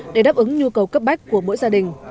để đáp ứng nhu cầu cấp bách của mỗi gia đình